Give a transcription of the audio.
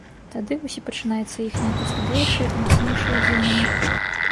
Тады вось і пачынаецца іхняе то слабейшае, то мацнейшае дзеянне.